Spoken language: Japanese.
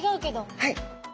はい。